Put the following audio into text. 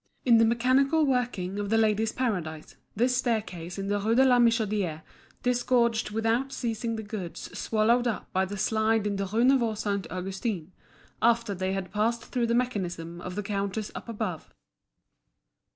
In the mechanical working of The Ladies' Paradise, this staircase in the Rue de la Michodière disgorged without ceasing the goods swallowed up by the slide in the Rue Neuve Saint Augustin, after they had passed through the mechanism of the counters up above.